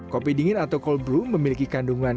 kopi dingin atau cold brew memiliki kandungan kafein